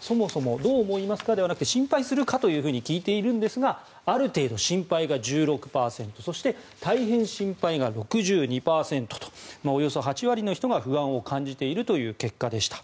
そもそもどう思いますかではなくて心配しますかと聞いているんですがある程度心配が１６％そして、大変心配が６２％とおよそ８割の人が不安を感じているという結果でした。